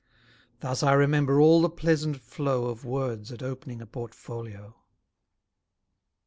Thus I remember all the pleasant flow Of words at opening a portfolio.